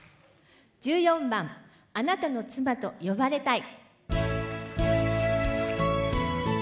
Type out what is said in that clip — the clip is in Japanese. １４番「あなたの妻と呼ばれたい」。